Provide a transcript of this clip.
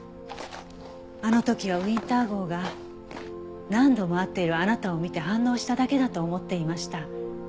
あの時はウィンター号が何度も会っているあなたを見て反応しただけだと思っていました。